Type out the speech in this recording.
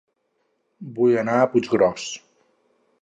Vull anar a Puiggròs